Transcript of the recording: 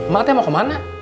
mak teh mau kemana